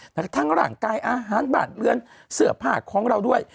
แล้วทั้งหลังกายอาหารบาดเลือนเสือผ้าของเราด้วย